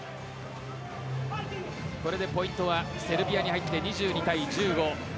これでポイントはセルビアに入って２２対１５